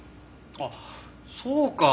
あっそうか！